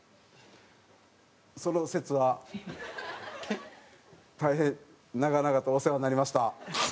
その節は大変長々とお世話になりました。